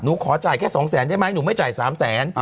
หนูขอจ่ายแค่สองแสนได้ไหมหนูไม่จ่ายสามแสน